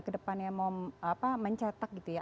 kedepannya mau mencetak gitu ya